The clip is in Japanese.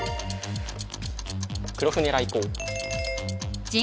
黒船来航。